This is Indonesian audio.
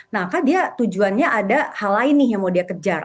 nah kan dia tujuannya ada hal lain nih yang mau dia kejar